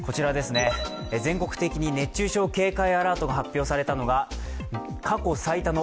全国的に熱中症警戒アラートが発表されたのが過去最多の